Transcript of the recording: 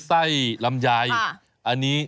ไซส์ลำไย